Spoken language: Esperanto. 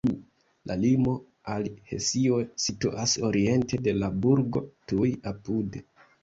La limo al Hesio situas oriente de la burgo tuj apude.